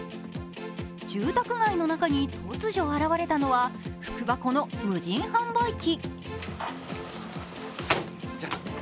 住宅街の中に突如、現れたのは福箱の無人販売機。